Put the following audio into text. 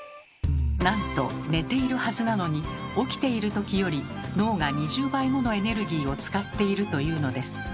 なんと寝ているはずなのに起きている時より脳が２０倍ものエネルギーを使っているというのです。